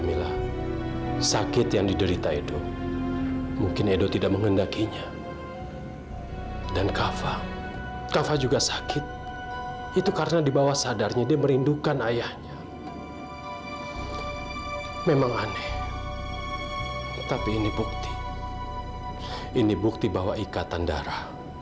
mama nggak mau cucu kesayangan mama kenakan apa